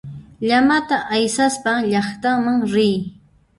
Llamata aysaspa llaqtaman riy.